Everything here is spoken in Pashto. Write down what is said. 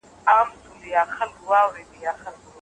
روغتیايي خدمتونه څنګه ارزول کېږي؟